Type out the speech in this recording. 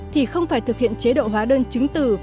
thì không phải thực hiện chế độ hóa đơn chứng từ